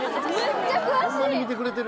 ホンマに見てくれてる。